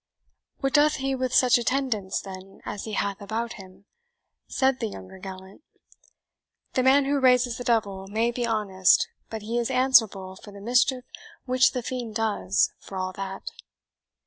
"What doth he with such attendants, then, as he hath about him?" said the younger gallant. "The man who raises the devil may be honest, but he is answerable for the mischief which the fiend does, for all that."